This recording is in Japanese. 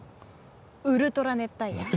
ウルトラ熱帯夜？